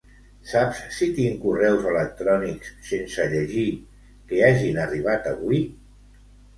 Saps si tinc correus electrònics sense llegir que hagin arribat avui?